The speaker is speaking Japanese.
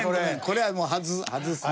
これはもう外す。